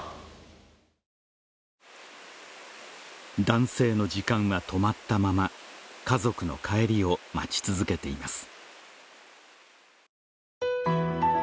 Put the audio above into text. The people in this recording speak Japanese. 男性の時間は止まったまま、家族の帰りを待ち続けています。